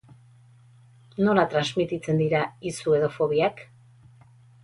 Nola transmititzen dira izu edo fobiak?